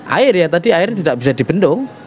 air ya tadi air tidak bisa dibendung